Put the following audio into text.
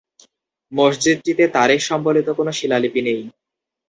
মসজিদটিতে তারিখ সম্বলিত কোনো শিলালিপি নেই।